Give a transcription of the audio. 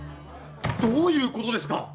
どういうことですか！？